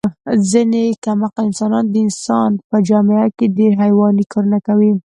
ځنې کم عقل انسانان د انسان په جامه کې ډېر حیواني کارونه کوي.